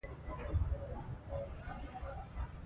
يعنې "وروولي". دغه فلم کښې پخپله روس